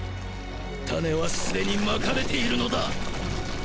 種は既にまかれているのだ。